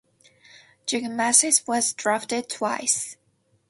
Zigomanis was drafted twice.